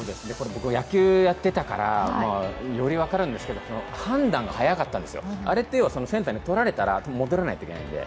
野球やってたからより分かるんですけど、判断がはやかったんですよ、あれはセンターに取られたら戻らないといけないので。